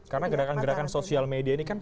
karena gerakan gerakan sosial media ini kan